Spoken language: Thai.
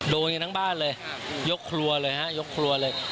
โดนกันทั้งบ้านเลยยกครัวเลยฮะยกครัวเลย